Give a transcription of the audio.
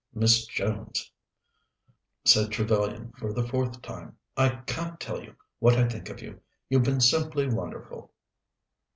Miss Jones," said Trevellyan for the fourth time, "I can't tell you what I think of you; you've been simply wonderful."